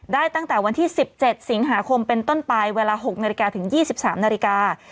ตั้งแต่วันที่๑๗สิงหาคมเป็นต้นไปเวลา๖นาฬิกาถึง๒๓นาฬิกา